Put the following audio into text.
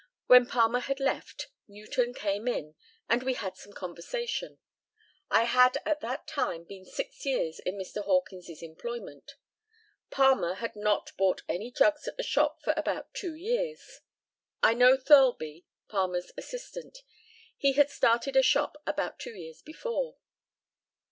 When Palmer had left, Newton came in, and we had some conversation. I had at that time been six years in Mr. Hawkins's employment. Palmer had not bought any drugs at the shop for about two years. I know Thirlby, Palmer's assistant. He had started a shop about two years before.